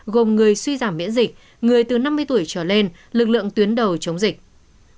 gồm người suy giảm miễn dịch người từ năm mươi tuổi trở lên lực lượng tuyến đầu chống dịch